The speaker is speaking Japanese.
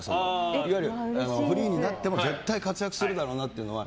いわゆるフリーになっても絶対活躍するだろうというのは。